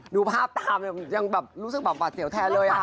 ดูภาพตามยังแบบรู้สึกแบบหวาดเสียวแทนเลยค่ะ